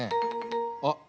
あっ。